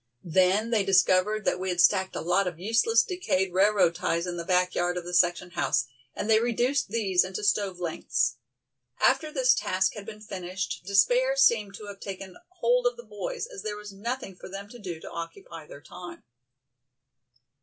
Then they discovered that we had stacked a lot of useless, decayed railroad ties in the backyard of the section house, and they reduced these into stove lengths. After this task had been finished, despair seemed to have taken hold of the boys as there was nothing for them to do to occupy their time.